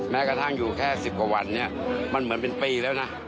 แม้กระทั่งอยู่แค่๑๐กว่าวันเนี่ยมันเหมือนเป็นปีแล้วนะ